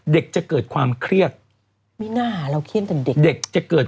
เด็กจะเกิดความเครียด